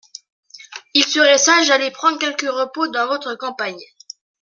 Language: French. Il serait sage d'aller prendre quelque repos dans votre campagne.